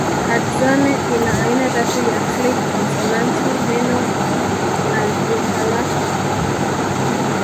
Hadzane ina aina tatu ya click konsonanti meno alveopalatal